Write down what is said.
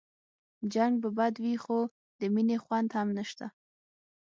جنګ به بد وي خو د مينې خوند هم نشته